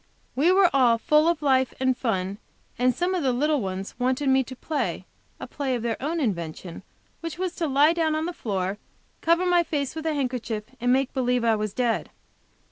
We were all full of life and fun, and some of the little ones wanted me to play a play of their own invention, which was to lie down on the floor, cover my face with a handkerchief, and make believe I was dead.